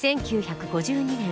１９５２年